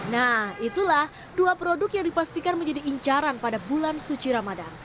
nah itulah dua produk yang dipastikan menjadi incaran pada bulan suci ramadan